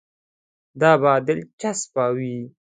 دا به دلچسپه وي.